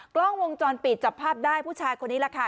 กล้องวงจรปิดจับภาพได้ผู้ชายคนนี้แหละค่ะ